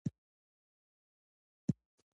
لغمانی سره راغلی یم.